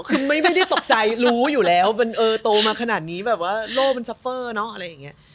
คือไม่ได้ตกใจรู้อยู่แล้วมันเออโตมาขนาดนี้แบบว่าโล่มันซัฟเฟอร์เนอะอะไรอย่างนี้